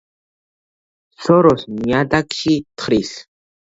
სოროს ნიადაგში თხრის.